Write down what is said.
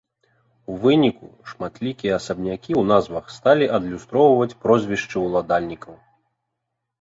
У выніку шматлікія асабнякі ў назвах сталі адлюстроўваць прозвішчы ўладальнікаў.